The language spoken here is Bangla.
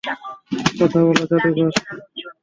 কথা বল, জাদুকর।